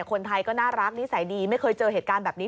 คนไทยก็น่ารักนิสัยดีไม่เคยเจอเหตุการณ์แบบนี้